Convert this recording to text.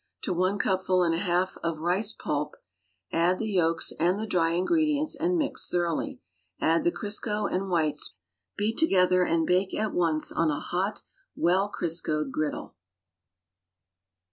To one cupful and a half of this rice pulp, add the yolks and the dry ingredients and mix thoroughly, add the Crisco and whites, beat together and bake at once on a hot, well Criscoed griddle.